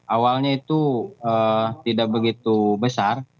awalnya itu tidak begitu besar